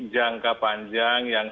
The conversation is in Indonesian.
jangka panjang yang